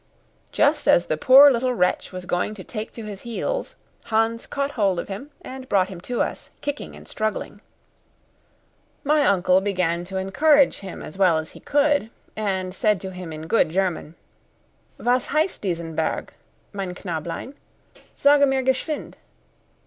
Just as the poor little wretch was going to take to his heels, Hans caught hold of him, and brought him to us, kicking and struggling. My uncle began to encourage him as well as he could, and said to him in good German: "_Was heiszt diesen Berg, mein Knablein? Sage mir geschwind!